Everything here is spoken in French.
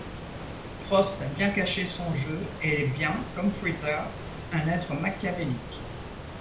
Frost a bien caché son jeu, et est bien comme Freezer, un être machiavélique.